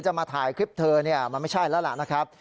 มาถ่ายคลิปเธอเนี่ยมันไม่ใช่แล้วล่ะนะครับ